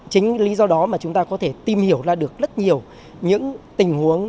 chính lý do đó mà chúng ta có thể tìm hiểu ra được rất nhiều những tình huống